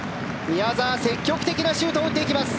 宮澤、積極的なシュートを打っていきます。